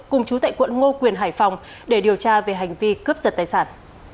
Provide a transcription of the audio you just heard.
cùng chú tại quận ngô quyền hải phòng để điều tra về hành vi cướp giật tài sản